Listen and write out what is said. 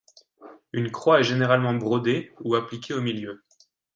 Une croix est généralement brodée ou appliquée au milieu.